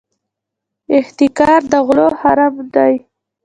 احتکار د غلو حرام دی.